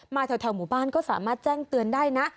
แถวหมู่บ้านก็สามารถแจ้งเตือนได้นะ